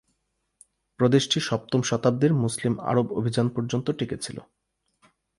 প্রদেশটি সপ্তম শতাব্দীর মুসলিম আরব অভিযান পর্যন্ত টিকে ছিল।